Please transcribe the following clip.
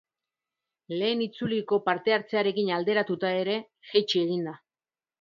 Lehen itzuliko parte-hartzearekin alderatua ere, jaitsi egin da.